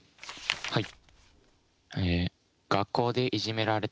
はい。